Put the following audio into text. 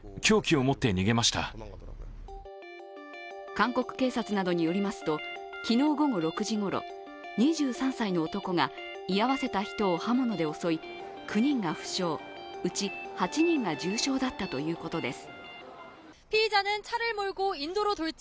韓国警察などによりますと昨日午後６時ごろ、２３歳の男が、居合わせた人を刃物で襲い９人が負傷うち、８人が重傷だったということです。